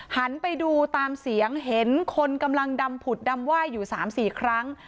หันไปดูตามเสียงเห็นคนกำลังดำผุดดำไหว้อยู่๓๔ครั้ง